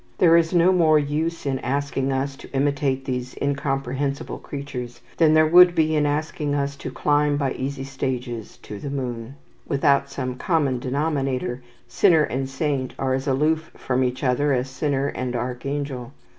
There is no more use in asking us to imitate these incomprehensible creatures than there would be in asking us to climb by easy stages to the moon. Without some common denominator, sinner and saint are as aloof from each other as sinner and archangel.